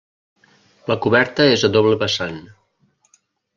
La coberta és a doble vessant.